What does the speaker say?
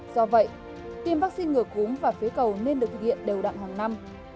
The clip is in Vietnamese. do vậy tiêm vaccine ngừa cúm và phế cầu nên được thực hiện đều đặn hàng năm